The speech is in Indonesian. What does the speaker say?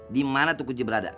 dimana tuh kunci berada